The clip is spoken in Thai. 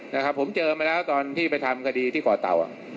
นะครับผมเจอมาแล้วตอนที่ไปทำคดีที่ก่อเต่าอ่ะ